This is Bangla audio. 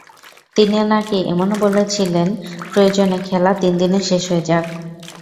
তিনি নাকি এমনও বলেছিলেন, প্রয়োজনে খেলা তিন দিনে শেষ হয়ে যাক।